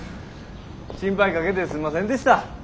心配かけてすんませんでした。